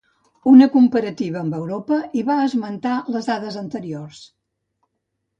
Una comparativa amb Europa i va esmentar les dades anteriors.